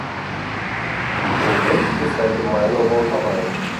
O peixe que sai do mar não volta mais.